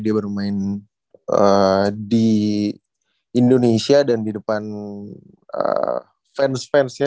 dia bermain di indonesia dan di depan fans fansnya